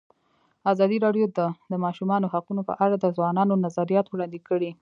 ازادي راډیو د د ماشومانو حقونه په اړه د ځوانانو نظریات وړاندې کړي.